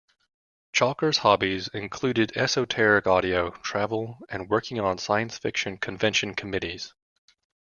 Chalker's hobbies included esoteric audio, travel, and working on science-fiction convention committees.